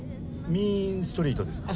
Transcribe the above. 「ミーン・ストリート」ですか？